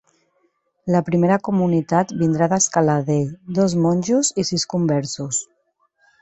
La primera comunitat vindrà d'Escaladei, dos monjos i sis conversos.